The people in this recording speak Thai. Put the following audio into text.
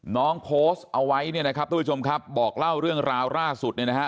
น้องโพสต์เอาไว้เนี่ยนะครับทุกผู้ชมครับบอกเล่าเรื่องราวล่าสุดเนี่ยนะฮะ